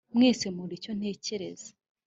mwese muricyo ntekereza